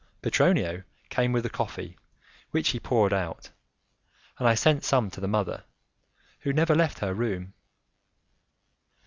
Petronio came with the coffee which he poured out, and I sent some to the mother, who never left her room.